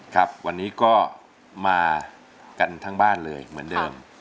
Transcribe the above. ครับวันนี้ก็มากันทั้งบ้านเลยเหมือนเดิม